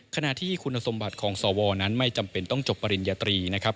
ขณะที่คุณสมบัติของสวนั้นไม่จำเป็นต้องจบปริญญาตรีนะครับ